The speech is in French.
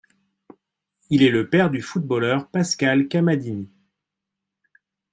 Il est le père du footballeur Pascal Camadini.